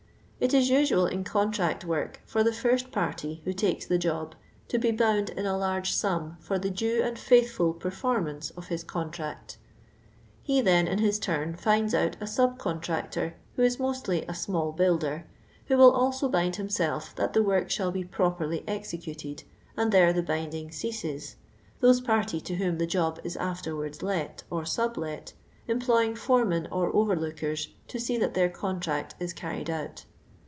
It is usual in contract work, fur the first party who tikes the job to bo bound in a large sum for the due and faithful performance of his contract He then, in his turn, tinds out a sub contractor, who is mostly a small builder, who will alto bind him self that the work shall be properly executed, and there the binding ceases — those parties to whom the job is afterwards let, or sublet, employing foremen or overlookers to see that their contract i« carried out.